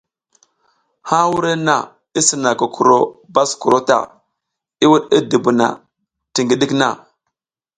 Ha wurenna i sina kukuro baskuro ta, i wuɗ i dubuna ti ngiɗik na.